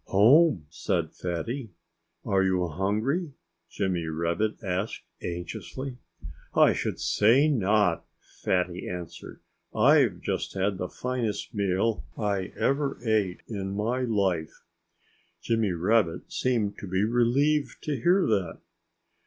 "Home!" said Fatty. "Are you hungry?" Jimmy Rabbit asked anxiously. "I should say not!" Fatty answered. "I've just had the finest meal I ever ate in my life." Jimmy Rabbit seemed to be relieved to hear that.